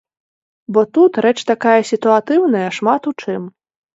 Бо тут рэч такая сітуатыўная шмат у чым.